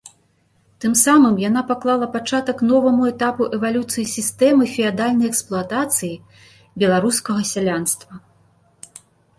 Тым самым яна паклала пачатак новаму этапу эвалюцыі сістэмы феадальнай эксплуатацыі беларускага сялянства.